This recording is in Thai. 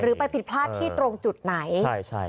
หรือไปผิดพลาดที่ตรงจุดไหน